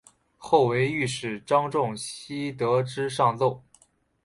后为御史张仲炘得知上奏。